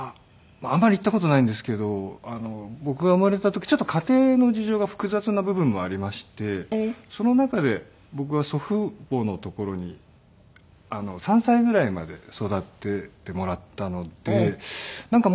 あんまり言った事ないんですけど僕が生まれた時ちょっと家庭の事情が複雑な部分もありましてその中で僕が祖父母のところに３歳ぐらいまで育ててもらったのでなんか